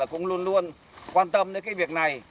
cũng luôn luôn quan tâm đến cái việc này